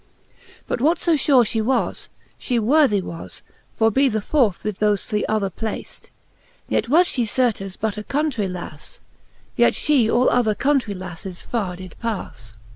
But what fo fure fhe was, fhe worthy was To be the fourth, with thofe three other placed : Yet was fhe certes but a countrey lafle, Yet {he all other countrey laffes farre did pafle.